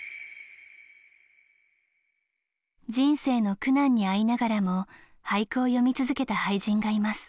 人生の苦難に遭いながらも俳句を詠み続けた俳人がいます。